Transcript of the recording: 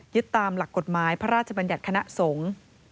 ตามหลักกฎหมายพระราชบัญญัติคณะสงฆ์